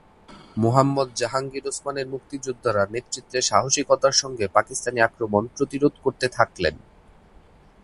মোহাম্মদ জাহাঙ্গীর ওসমানের মুক্তিযোদ্ধারা নেতৃত্বে সাহসিকতার সঙ্গে পাকিস্তানি আক্রমণ প্রতিরোধ করতে থাকলেন।